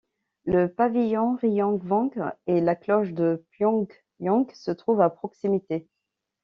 Le pavillon Ryongwang et la cloche de Pyongyang se trouvent à proximité.